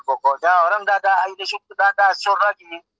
pokoknya orang sudah ada sur lagi